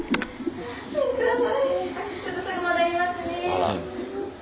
あら。